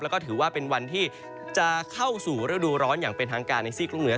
แล้วก็ถือว่าเป็นวันที่จะเข้าสู่ฤดูร้อนอย่างเป็นทางการในซีกรุงเหนือ